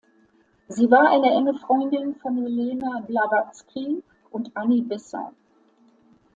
Sie war eine enge Freundin von Helena Blavatsky und Annie Besant.